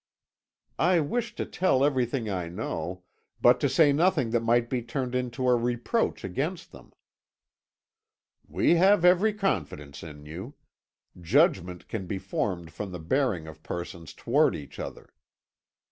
"I wish to tell everything I know, but to say nothing that might be turned into a reproach against them." "We have every confidence in you. Judgment can be formed from the bearing of persons towards each other.